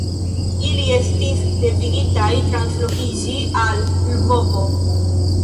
Ili estis devigitaj translokiĝi al Lvovo.